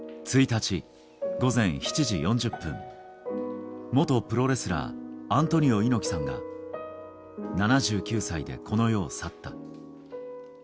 １日午前７時４０分、元プロレスラー、アントニオ猪木さんが７９歳でこの世を去った。